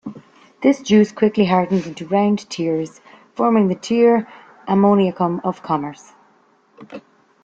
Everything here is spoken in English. This juice quickly hardens into round tears, forming the "tear ammoniacum" of commerce.